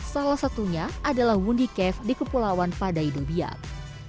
salah satunya adalah wundi cave di kepulauan padai dubiak